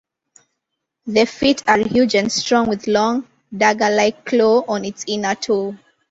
The feet are huge and strong with long, dagger-like claw on its inner toe.